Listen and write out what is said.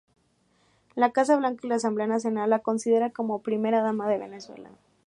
La Casa Blanca y la Asamblea Nacional la considera como primera dama de Venezuela.